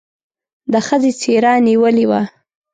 د ښځې څېره نېولې وه.